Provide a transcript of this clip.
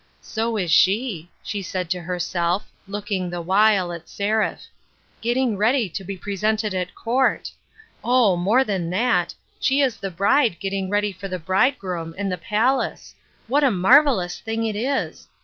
" So is she," she said to herself, looking, the while, at Seraph; "get ting ready to be presented at court ! Oh ! more than that ; she is the bride getting ready for the bridegroom and the palace. What a marvelous thing it is